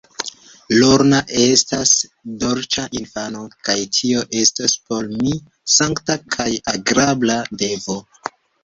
Lorna estas dolĉa infano, kaj tio estos por mi sankta kaj agrabla devo.